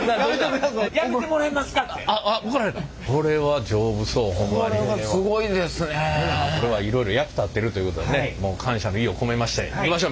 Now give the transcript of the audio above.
これはいろいろ役立ってるということでもう感謝の意を込めましていきましょう。